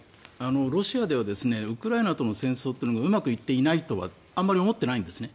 ロシアではウクライナとの戦争というのがうまくいっていないとはあまり思っていないんですね。